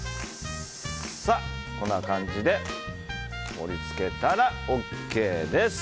こんな感じで盛り付けたらＯＫです。